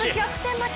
負け。